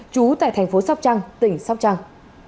chú tại thành phố sóc trăng tỉnh sóc trăng